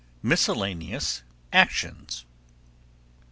MISCELLANEOUS. ACTIONS.